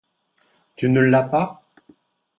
Tu ne l’as pas ?